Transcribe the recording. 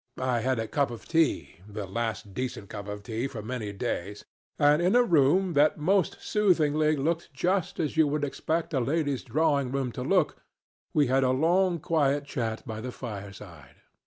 I had a cup of tea the last decent cup of tea for many days and in a room that most soothingly looked just as you would expect a lady's drawing room to look, we had a long quiet chat by the fireside.